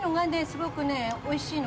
すごくねおいしいの。